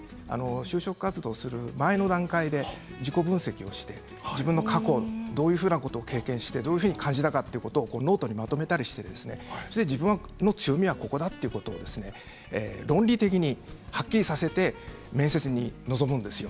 就職活動をする前の段階で自己分析をして自分の過去どういうふうなことを経験してどんなふうに感じたかノートにまとめたりして自分の強みはここだということを論理的にはっきりさせて面接に臨むんですよ。